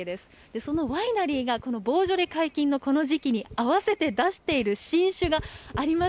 そのワイナリーが、このボジョレ解禁のこの時期に合わせて出している新酒があります。